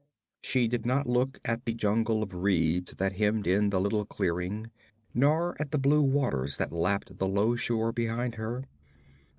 She did not look at the jungle of reeds that hemmed in the little clearing, nor at the blue waters that lapped the low shore behind her.